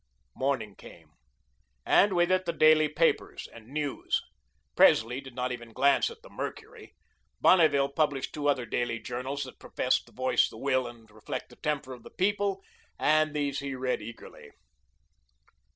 Morning came and with it the daily papers and news. Presley did not even glance at the "Mercury." Bonneville published two other daily journals that professed to voice the will and reflect the temper of the people and these he read eagerly.